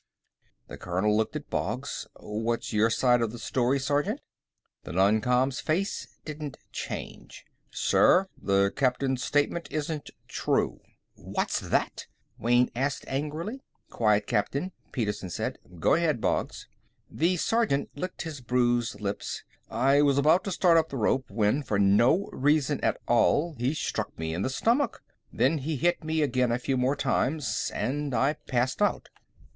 The colonel looked at Boggs. "What's your side of the story, Sergeant?" The non com's face didn't change. "Sir, the captain's statement isn't true." "What's that?" Wayne asked angrily. "Quiet, Captain," Petersen said. "Go ahead, Boggs." The sergeant licked his bruised lips. "I was about to start up the rope when, for no reason at all, he struck me in the stomach. Then he hit me again a few more times, and I passed out."